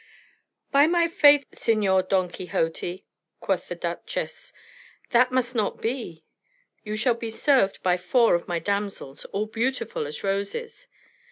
"By my faith, Signor Don Quixote," quoth the duchess, "that must not be; you shall be served by four of my damsels, all beautiful as roses."